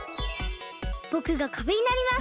ぼくがかべになります。